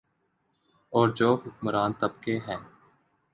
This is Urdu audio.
اورجو حکمران طبقہ ہے۔